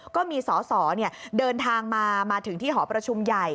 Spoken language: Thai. ก็มีสอสอเดินทางมามาถึงที่หอประชุมใหญ่